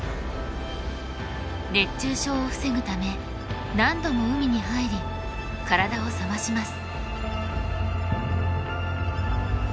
熱中症を防ぐため何度も海に入り体を冷まします。